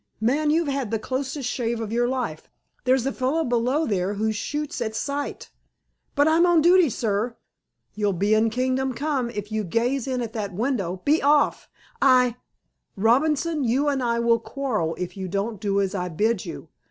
"Man, you've had the closest shave of your life! There's a fellow below there who shoots at sight." "But I'm on duty, sir." "You'll be in Kingdom Come if you gaze in at that window. Be off!" "I—" "Robinson, you and I will quarrel if you don't do as I bid you.